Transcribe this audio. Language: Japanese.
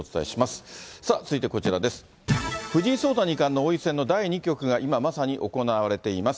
藤井聡太二冠の王位戦の第２局が今まさに行われています。